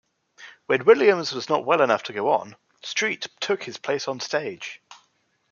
When Williams was not well enough to go on, Street took his place onstage.